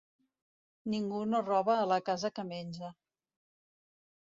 Ningú no roba a la casa que menja.